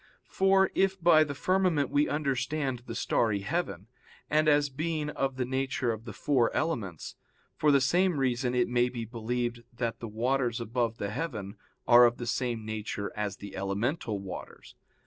For if by the firmament we understand the starry heaven, and as being of the nature of the four elements, for the same reason it may be believed that the waters above the heaven are of the same nature as the elemental waters.